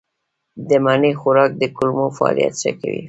د مڼې خوراک د کولمو فعالیت ښه کوي.